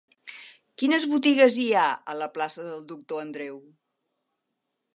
Quines botigues hi ha a la plaça del Doctor Andreu?